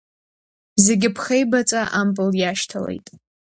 Зегьы ԥхеибаҵа ампыл иашьҭалеит.